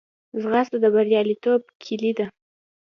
ځغاسته د بریالیتوب کلۍ ده